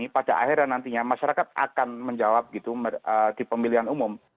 pada akhirnya nantinya masyarakat akan menjawab gitu di pemilihan umum